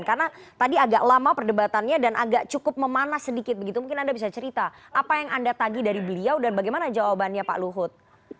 karena tadi agak lama perdebatannya dan agak cukup memanas sedikit begitu mungkin anda bisa cerita apa yang anda tagi dari beliau dan bagaimana jawabannya pak luhut